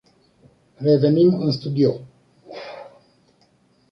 Revenim în studio.